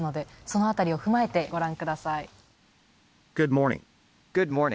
その辺りを踏まえてご覧ください。